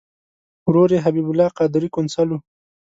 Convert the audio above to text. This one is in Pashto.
ورور یې حبیب الله قادري قونسل و.